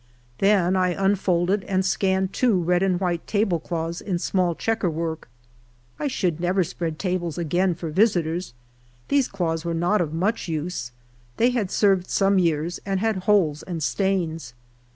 Then I unfolded and scanned two red and white tablecloths in small checker work. I should never spread tables again for visitors ; these cloths were not of much use ; they had served some years, and had holes and stains.